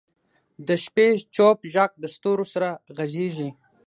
د شپې چوپ ږغ د ستورو سره غږېږي.